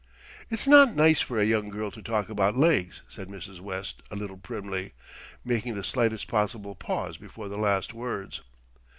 "It's not nice for a young girl to talk about legs," said Mrs. West a little primly, making the slightest possible pause before the last words.